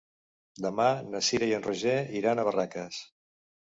Demà na Cira i en Roger iran a Barraques.